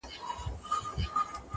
ګرم مي و نه بولی چي شپه ستایمه -